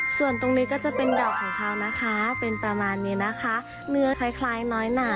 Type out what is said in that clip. ส่วนตรงนี้ก็จะเป็นดอกของเขานะคะเป็นประมาณนี้นะคะเนื้อคล้ายน้อยหนา